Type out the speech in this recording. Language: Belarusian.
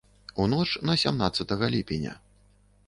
У ноч на сямнаццатага ліпеня.